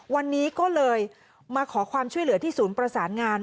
วันนี้ก็เลยมาขอความช่วยเหลือที่ศูนย์ประสานงาน